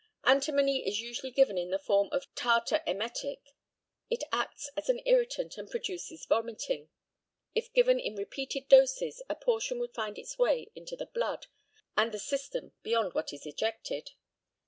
Antimony is usually given in the form of tartar emetic; it acts as an irritant, and produces vomiting. If given in repeated doses a portion would find its way into the blood and the system beyond what was ejected.